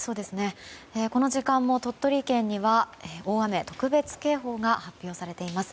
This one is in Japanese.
この時間も鳥取県には大雨特別警報が発表されてます。